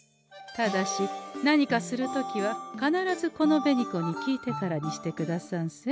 ただし何かする時は必ずこの紅子に聞いてからにしてくださんせ。